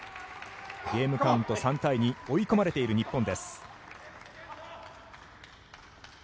ゲームカウント３対２追い込まれている日本です。